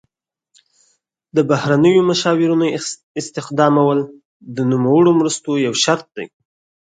د بهرنیو مشاورینو استخدامول د نوموړو مرستو یو شرط دی.